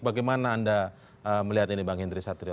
bagaimana anda melihat ini bang hendri satrio